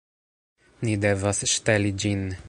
Ni devas ŝteli ĝin